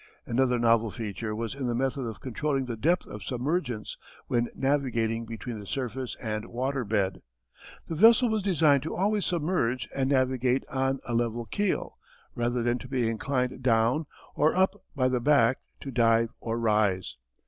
Another novel feature was in the method of controlling the depth of submergence when navigating between the surface and waterbed. The vessel was designed to always submerge and navigate on a level keel rather than to be inclined down or up by the back, to "dive" or "rise."